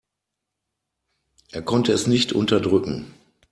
Er konnte es nicht unterdrücken.